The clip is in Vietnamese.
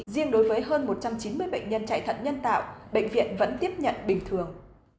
năm trăm chín mươi bệnh nhân chạy thận nhân tạo bệnh viện vẫn tiếp nhận bình thường